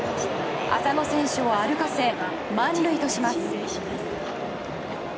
浅野選手を歩かせ満塁とします。